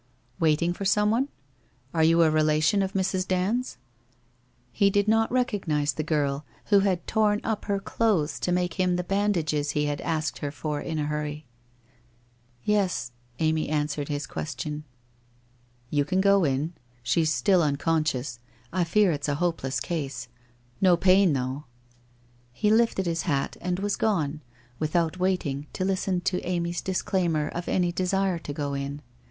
'Waiting for someone? Are you a relation of Mrs. Hand's? ' He did not recognize the girl who had torn up her clothes to make him tbe bandages he had asked her for in a hurry. • STes,' Amy answered his question. 248 WHITE ROSE OF WEARY LEAF 'You can go in. She's still unconscious. I fear it's a hopeless case. No pain though !' He lifted his hat and was gone, without waiting to listen to Amy's disclaimer of any desire to go in.